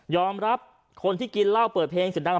รับคนที่กินเหล้าเปิดเพลงเสียงดัง